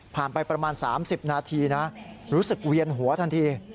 ไปประมาณ๓๐นาทีนะรู้สึกเวียนหัวทันที